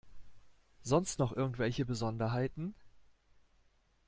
Sonst noch irgendwelche Besonderheiten?